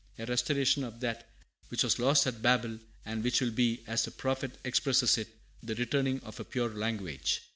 a restoration of that which was lost at Babel, and which will be, as the prophet expresses it, 'the returning of a pure language!'"